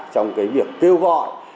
trong cái việc kêu gọi